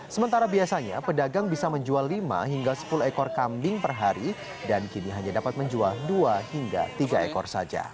sementara biasanya pedagang bisa menjual lima hingga sepuluh ekor kambing per hari dan kini hanya dapat menjual dua hingga tiga ekor saja